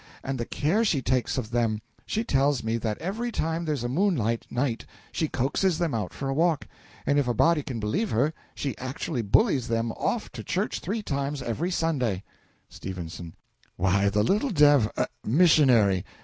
And the care she takes of them! She tells me that every time there's a moonlight night she coaxes them out for a walk; and if a body can believe her, she actually bullies them off to church three times every Sunday! S. Why, the little dev missionary!